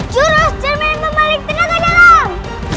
jurus jangan membalik tenaga dalam